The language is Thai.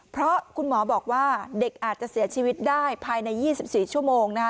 เพราะคุณหมอบอกว่าเด็กอาจจะเสียชีวิตได้ภายใน๒๔ชั่วโมงนะคะ